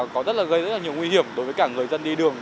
có rất là gây rất là nhiều nguy hiểm đối với cả người dân đi đường